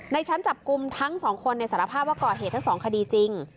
ชั้นจับกลุ่มทั้งสองคนสารภาพว่าก่อเหตุทั้งสองคดีจริง